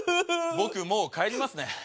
僕もう帰りますね